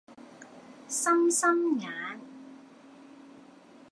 心心眼